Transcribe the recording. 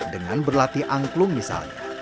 dengan berlatih angklung misalnya